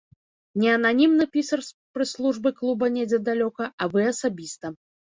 Не ананімны пісар з прэс-службы клуба недзе далёка, а вы асабіста.